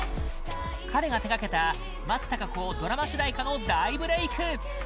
彼が手掛けた松たか子ドラマ主題歌の大ブレーク！